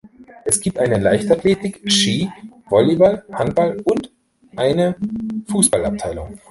Es gibt eine Leichtathletik-, Ski-, Volleyball-, Handball- und eine Fußballabteilung.